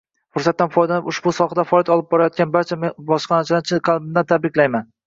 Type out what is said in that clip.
Fursatdan foydalanib, ushbu sohada faoliyat olib borayotgan barcha bojxonachilarni chin qalbdan tabriklayman.